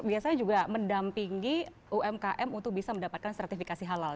biasanya juga mendampingi umkm untuk bisa mendapatkan sertifikasi halal